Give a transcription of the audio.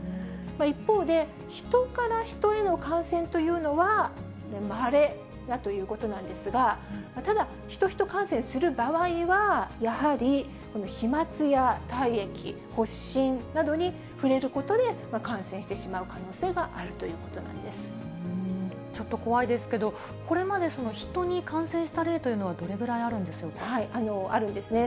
一方で、ヒトからヒトへの感染というのは、まれだということなんですが、ただ、ヒト・ヒト感染する場合は、やはり飛まつや体液、発しんなどに触れることで、感染してしまう可能性があるといちょっと怖いですけど、これまでヒトに感染した例というのは、どれくらいあるんでしょうあるんですね。